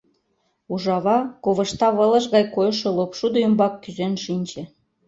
Ужава ковыштавылыш гай койшо лопшудо ӱмбак кӱзен шинче.